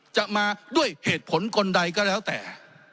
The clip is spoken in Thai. จะมาด้วยเหตุผลคนใดก็แล้วแต่